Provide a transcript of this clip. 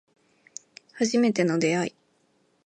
初めての出会い